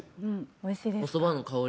おいしいです。